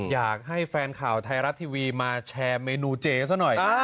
อยากให้แฟนข่าวไทยรัฐทีวีมาแชร์เมนูเจซะหน่อย